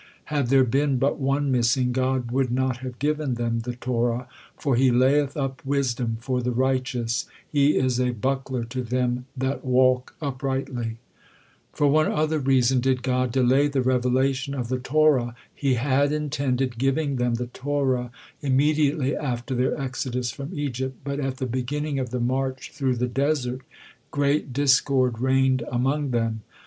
Had there been but one missing, God would not have given them the Torah: "for He layeth up wisdom for the righteous; He is a buckler to them that walk uprightly." For one other reason did God delay the revelation of the Torah. He had intended giving them the Torah immediately after their exodus from Egypt, but at the beginning of the march through the desert, great discord reigned among them.